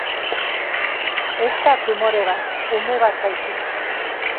Ez da tumore bat, ume bat baizik.